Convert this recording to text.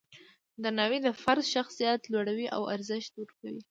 درناوی د فرد شخصیت لوړوي او ارزښت ورکوي.